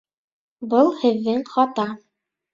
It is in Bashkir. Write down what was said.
Был һеҙҙең хата!